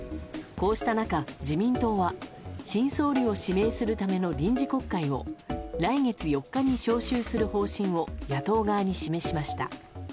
こうした中、自民党は新総理を指名するための臨時国会を来月４日に召集する方針を野党側に示しました。